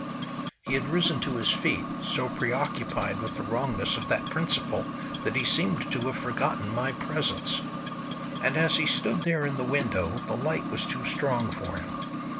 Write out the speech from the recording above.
He had risen to his feet, so preoccupied with the wrongness of that principle that he seemed to have forgotten my presence. And as he stood there in the window the light was too strong for him.